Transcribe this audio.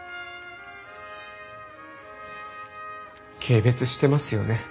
軽蔑してますよね